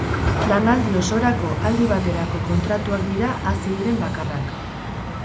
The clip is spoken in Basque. Lanaldi osorako aldi baterako kontratuak dira hazi diren bakarrak.